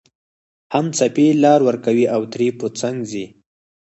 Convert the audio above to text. هم څپې لار ورکوي او ترې په څنګ ځي